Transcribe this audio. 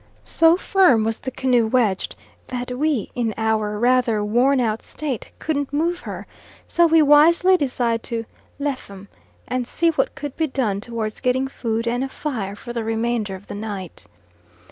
So firm was the canoe wedged that we in our rather worn out state couldn't move her so we wisely decided to "lef 'em" and see what could be done towards getting food and a fire for the remainder of the night.